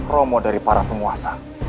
romo dari para penguasa